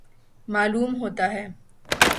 معلوم ہوتا ہے